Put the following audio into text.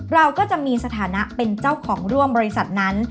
เราก็จะมีสถานะเป็นเจ้าของร่วมบริษัทนั้น